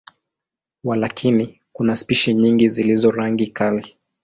Walakini, kuna spishi nyingi zilizo rangi kali.